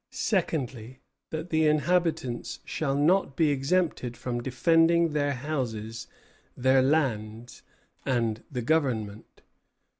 Secondly, that the inhabitants shall not be exempted from defending their houses, their lands, and the Government.